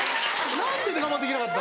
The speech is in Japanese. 何で我慢できなかった。